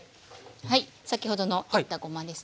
はい先ほどの煎ったごまですね。